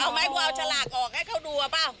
เอาไหมกูเอาฉลากออกให้เขาดูอ่ะเปล่า